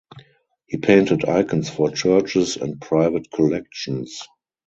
He painted icons for churches and private collections.